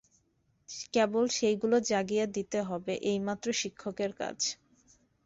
কেবল সেইগুলি জাগিয়ে দিতে হবে, এইমাত্র শিক্ষকের কাজ।